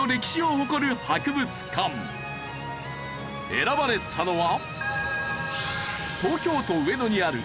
選ばれたのは。